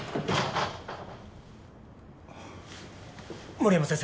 森山先生。